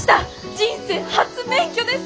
人生初免許です！